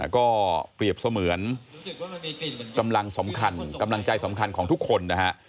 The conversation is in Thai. ก็เปรียบเสมือนกำลังสำคัญกำลังใจสำคัญของทุกคนนะฮะ